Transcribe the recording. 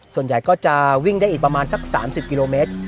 ส่วนใหญ่ก็จะวิ่งได้อีกประมาณสัก๓๐กิโลเมตร